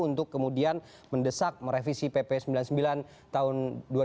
untuk kemudian mendesak merevisi pp sembilan puluh sembilan tahun dua ribu enam belas